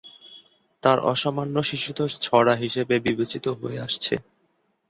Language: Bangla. তার অসামান্য শিশুতোষ ছড়া হিসেবে বিবেচিত হয়ে আসছে।